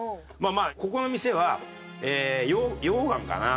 まあここの店は溶岩かな？